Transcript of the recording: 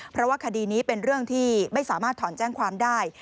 เพราะว่าคดีนี้เป็นเรื่องที่ไม่สามารถถอนแจ้งความได้